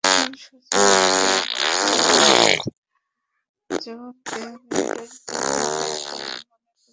এখন সচিবের জবাবের জবাব দেওয়া মেয়রের নৈতিক দায়িত্ব বলে মনে করি।